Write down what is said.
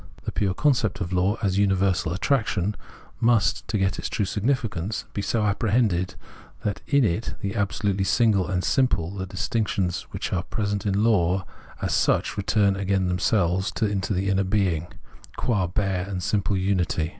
The pure concept of law, as universal attraction, must, to get its true significance, be so apprehended that in it, as the absolutely single and simple, the distinctions which are present in law as such, return again themselves into the inner being, qua bare and simple unity.